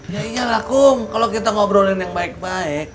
yaiyalah kum kalo kita ngobrolin yang baik baik